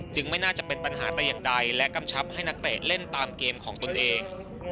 ไม่น่าจะเป็นปัญหาแต่อย่างใดและกำชับให้นักเตะเล่นตามเกมของตนเอง